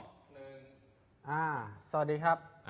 สวัสดีครับ